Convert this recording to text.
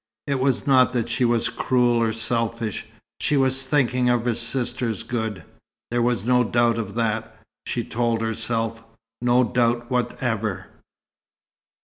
It was not that she was cruel or selfish. She was thinking of her sister's good. There was no doubt of that, she told herself: no doubt whatever.